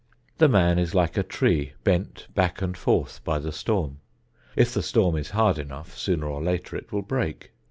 The man is like a tree bent back and forth by the storm. If the storm is hard enough, sooner or later it will break.